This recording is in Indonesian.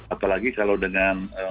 apalagi kalau dengan